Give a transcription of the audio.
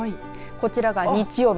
こちらが日曜日。